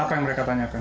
apa yang mereka tanyakan